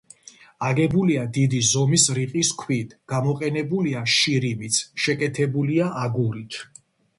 აგებულია დიდი ზომის რიყის ქვით, გამოყენებულია შირიმიც, შეკეთებულია აგურით.